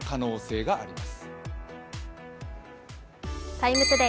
「ＴＩＭＥ，ＴＯＤＡＹ」